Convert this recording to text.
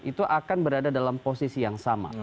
itu akan berada dalam posisi yang sama